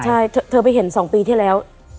ใช่เธอไปเห็น๒ปีที่แล้ว